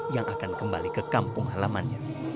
yang akan kembali ke kampung halamannya